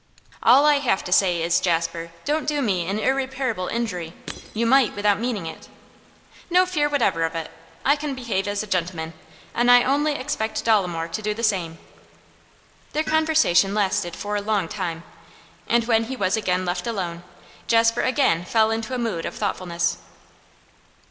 'All I have to say is, Jasper, don't do me an irreparable injury. You might, without meaning it.' 'No fear whatever of it. I can behave as a gentleman, and I only expect Dolomore to do the same.' Their conversation lasted for a long time, and when he was again left alone Jasper again fell into a mood of thoughtfulness.